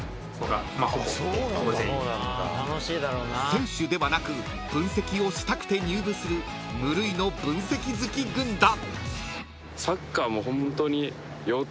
［選手ではなく分析をしたくて入部する無類の分析好き軍団］